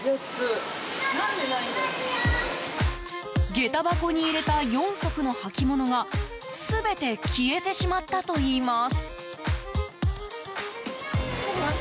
下駄箱に入れた４足の履物が全て消えてしまったといいます。